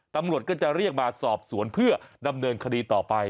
ตำรวจก็จะเรียกมาสอบสวนเพื่อดำเนินคดีต่อไป